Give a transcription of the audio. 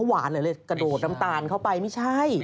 หวานหรือเลยกระโดดน้ำตาลเข้าไปไม่ใช่